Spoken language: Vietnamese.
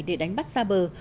để đánh bắt xa bờ